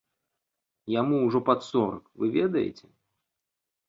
Яму ўжо пад сорак, вы ведаеце?